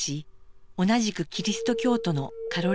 同じくキリスト教徒のカロリニアン。